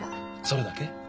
それだけ？